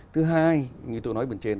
thứ hai như tôi nói bên trên